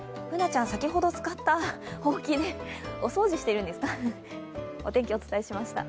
Ｂｏｏｎａちゃん、先ほど使ったほうきでお掃除してるんですか。